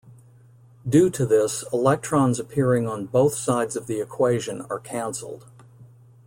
Due to this, electrons appearing on both sides of the equation are canceled.